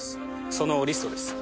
そのリストです。